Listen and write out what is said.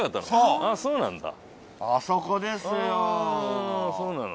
あぁそうなんだ。